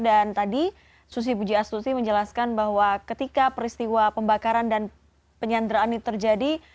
dan tadi susi buji astusi menjelaskan bahwa ketika peristiwa pembakaran dan penyanderaan ini terjadi